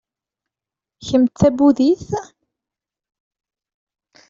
Kemm d tabudit?